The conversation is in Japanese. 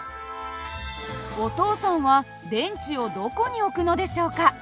お父さんは電池をどこに置くのでしょうか？